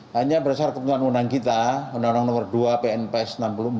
hanya berdasarkan undang undang kita undang undang nomor dua pnps enam puluh empat